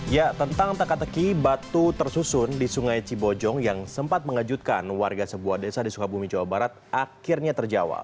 ya tentang teka teki batu tersusun di sungai cibojong yang sempat mengejutkan warga sebuah desa di sukabumi jawa barat akhirnya terjawab